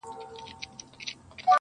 راته ستا حال راكوي~